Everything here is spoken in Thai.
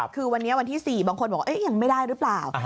คือวันนี้วันที่๔บางคนบอกว่ายังไม่ได้หรือเปล่า